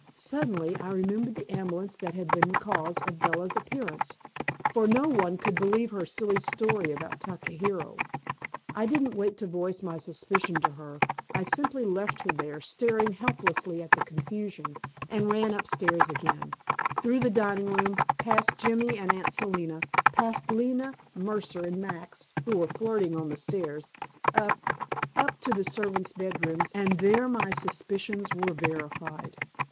Suddenly I remembered the ambulance that had been the cause of Bella's appearance for no one could believe her silly story about Takahiro. I didn't wait to voice my suspicion to her; I simply left her there, staring helplessly at the confusion, and ran upstairs again: through the dining room, past Jimmy and Aunt Selina, past Leila Mercer and Max, who were flirting on the stairs, up, up to the servants' bedrooms, and there my suspicions were verified.